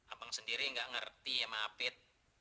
abang sendiri nggak ngerti ya maaf it